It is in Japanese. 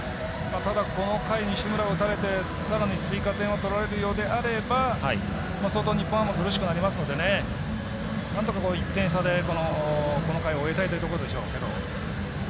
この回、西村が打たれてさらに追加点を取られるようなことがあれば相当、日本ハムは苦しくなりますのでなんとか１点差でこの回を終えたいところでしょうけども。